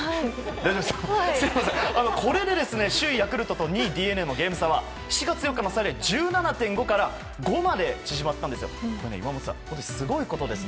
これで首位ヤクルトと２位ＤｅＮＡのゲーム差は７月４日の１７．５から５まで縮まったんです。